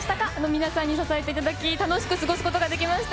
皆さんに支えていただき、楽しく過ごすことができました。